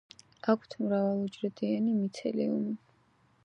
აქვთ მრავალუჯრედიანი მიცელიუმი.